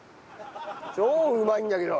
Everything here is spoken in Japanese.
超うまいんだけど。